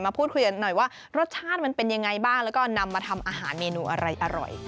พูดคุยกันหน่อยว่ารสชาติมันเป็นยังไงบ้างแล้วก็นำมาทำอาหารเมนูอะไรอร่อย